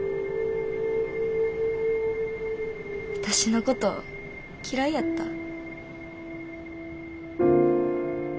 私のこと嫌いやった？